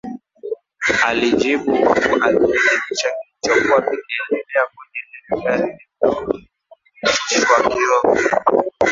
Alijibu huku akihakikisha kilichokuwa kikiendelea kwenye lile gari lililoshushwa kioo